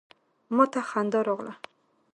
ما ته خندا راغله.